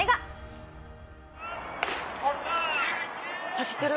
走ってる。